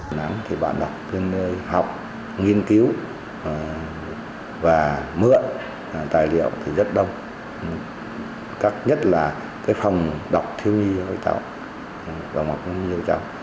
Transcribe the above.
đà nẵng thì bản đọc trên nơi học nghiên cứu và mượn tài liệu thì rất đông các nhất là cái phòng đọc thiêu nghi với cháu đồng học với nhiều cháu